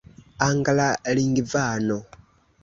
anglalingvano